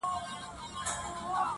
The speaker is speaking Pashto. o خو تېروتنې بيا تکراريږي ډېر,